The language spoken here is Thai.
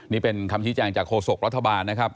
นี่เป็นคำชี้แจงจากโฆษกรัฐบาลนะครับ